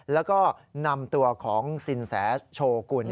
แล้วก็นำตัวของสินแสโชกุล